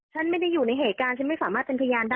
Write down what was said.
ฉันไม่ได้อยู่ในเหตุการณ์ฉันไม่สามารถเป็นพยานได้